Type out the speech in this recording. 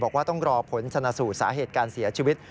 บอกว่าต้องรอผลชนะสูตรสาเหตุการเสียชีวิต